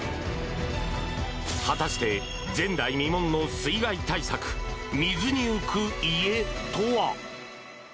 果たして、前代未聞の水害対策水に浮く家とは？